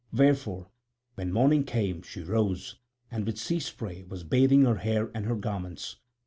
Wherefore when morning came she rose, and with sea spray was bathing her hair and her garments.